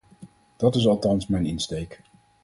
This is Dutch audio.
Dat is althans mijn insteek.